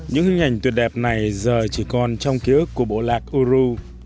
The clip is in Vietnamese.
những hình ảnh tuyệt đẹp này giờ chỉ còn trong ký ức của bộ lạc ureu